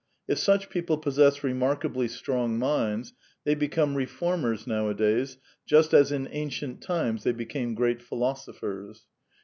If such people possess remarkably strong minds, the}' be come refiDrmers nowadays just as in ancient times they became great philo&ophei*s.